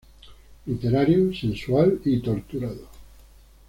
Literario, sensual y torturado...